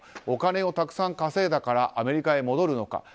お金をたくさん稼いだからアメリカへ戻るのか。